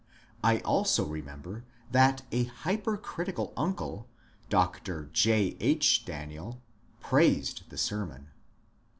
I also remember that a hyperoritioal uncle, Dr. J. H. Daniel, praised the sermon.